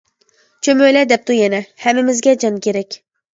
چۆمۈلە دەپتۇ يەنە : ھەممىمىزگە جان كېرەك.